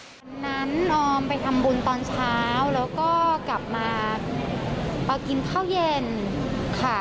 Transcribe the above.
วันนั้นออมไปทำบุญตอนเช้าแล้วก็กลับมากินข้าวเย็นค่ะ